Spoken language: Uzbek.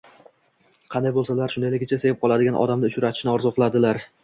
Qanday bo‘lsalar, shundayligicha sevib qoladigan odamni uchratishni orzu qiladilar.